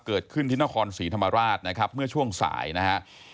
เกิดขึ้นที่นครศรีธรรมราชนะครับเมื่อช่วงสายนะฮะ